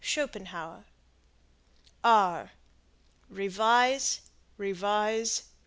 Schopenhauer. Revise. Revise.